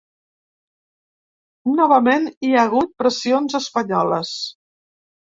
Novament, hi ha hagut pressions espanyoles.